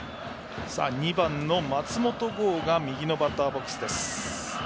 ２番の松本剛右バッターボックスです。